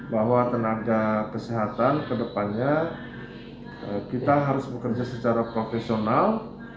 bahwa tenaga kesehatan kedepannya kita harus bekerja secara profesional